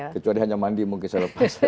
kecuali hanya mandi mungkin saya lepas